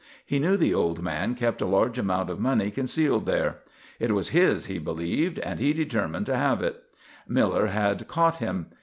He knew the old man kept a large amount of money concealed there. It was his, he believed, and he determined to have it. Miller had caught him.